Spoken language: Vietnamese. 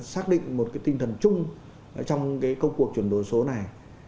xác định một tinh thần chung trong công cuộc chuyển đổi số này